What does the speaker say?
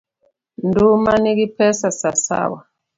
Nduma nigi pesa sawasawa.